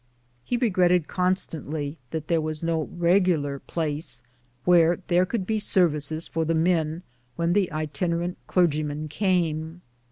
He regretted constantly that there was no reg ular place where there could be services for the men when the itinerant clergyman came.